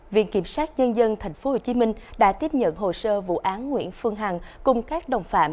viện kiểm sát nhân dân tp hcm đã tiếp nhận hồ sơ vụ án nguyễn phương hằng cùng các đồng phạm